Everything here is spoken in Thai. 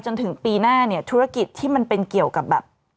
จนถึงปีหน้าเนี่ยธุรกิจที่มันเป็นเกี่ยวกับแบบ